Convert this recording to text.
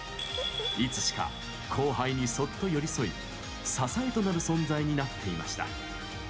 いつしか、後輩にそっと寄り添い支えとなる存在になっていました。